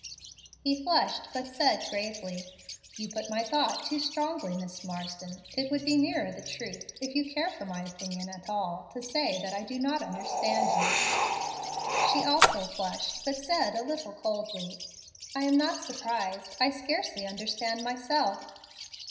He flushed, but said gravely, "You put my thought too strongly, Miss Marsden. It would be nearer the truth, if you care for ray opinion at all, to say that I do not understand you." She also flushed, but said a little coldly, "I am not surprised; I scarcely understand myself."